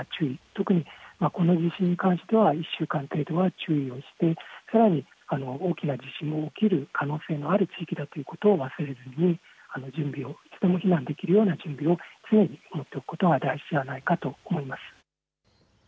特にこの地震に関しては１週間程度は注意をして、さらに大きな地震も起きる可能性ある地域だということを忘れずに、準備を、いつでも避難できるような準備を常にやっておくことが大事じゃないかと思います。